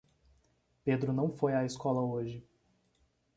Pedro não foi à escola hoje.